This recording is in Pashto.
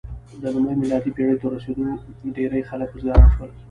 د لومړۍ میلادي پېړۍ تر رسېدو ډېری خلک بزګران شول.